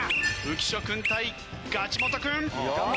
浮所君対ガチもと君。